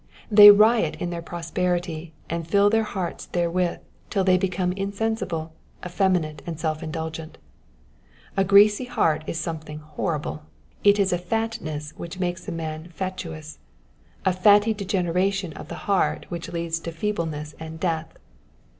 They riot in their prosperity, and fill their hearts therewith till they become insensible, effeminate, . and self indulgent. A greasy heart is something horrible ; it is a fatness which makes a man fatuous, a fatty degeneration of the heart which leads to feebleness and death.